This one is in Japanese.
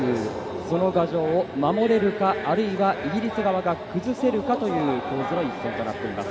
その牙城を守れるかあるいはイギリス側が崩せるかという本日の一戦となっています。